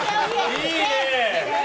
いいね！